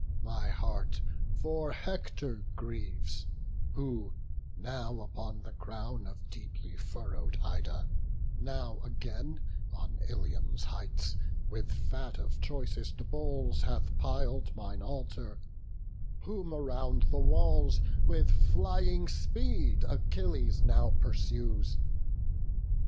my heart For Hector grieves, who, now upon the crown Of deeply furrow'd Ida, now again On Ilium's heights, with fat of choicest bulls Hath pil'd mine altar; whom around the walls, With flying speed Achilles now pursues.